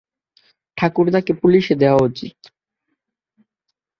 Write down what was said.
ঠাকুরদাকে পুলিশে দেওয়া উচিত।